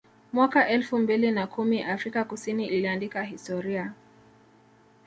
Mwaka elfu mbili na kumi Afrika Kusini iliandika historia